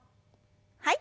はい。